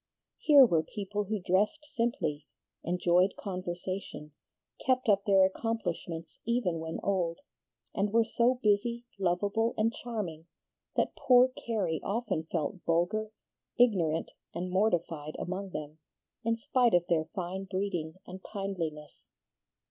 Here were people who dressed simply, enjoyed conversation, kept up their accomplishments even when old, and were so busy, lovable, and charming, that poor Carrie often felt vulgar, ignorant, and mortified among them, in spite of their fine breeding and kindliness.